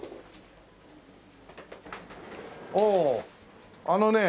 おおあのね